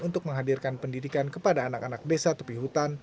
untuk menghadirkan pendidikan kepada anak anak desa tepi hutan